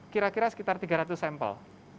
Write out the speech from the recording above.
kira kira sekitar tiga ratus sampel